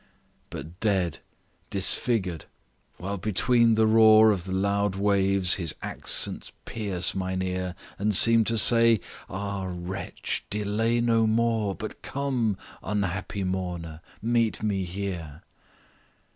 "But dead, disfigured, while between the roar Of the loud waves his accents pierce mine ear, And seem to say Ah, wretch! delay no more, But come, unhappy mourner meet me here.